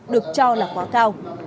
được cho là quá cao